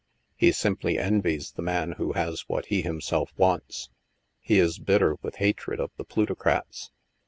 He simply envies the man who has what he himself wants. He is bitter with hatred of the plutocrats.